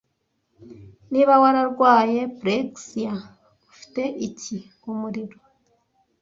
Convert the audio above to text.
Niba wararwaye pyrexia ufite iki Umuriro